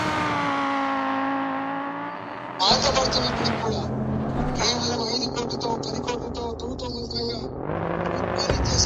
As a Human Resources manager dwell on different self-presentation strategies career seekers use.